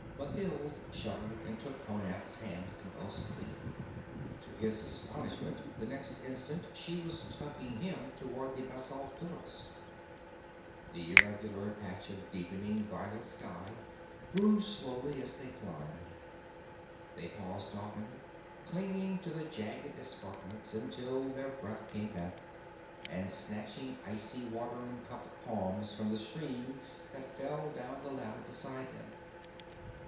Mathild shuddered and took Honath's hand convulsively. To his astonishment, the next instant she was tugging him toward the basalt pillars. The irregular patch of deepening violet sky grew slowly as they climbed. They paused often, clinging to the jagged escarpments until their breath came back, and snatching icy water in cupped palms from the stream that fell down the ladder beside them.